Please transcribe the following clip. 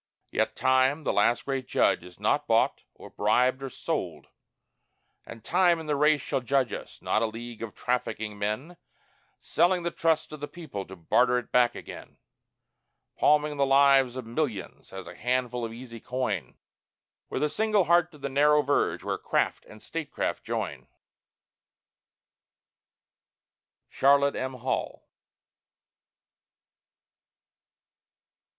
Yet time, the last Great Judge, is not bought, or bribed, or sold; And Time and the Race shall judge us not a league of trafficking men, Selling the trust of the people, to barter it back again; Palming the lives of millions as a handful of easy coin, With a single heart to the narrow verge where craft and statecraft join. SHARLOT M. HALL.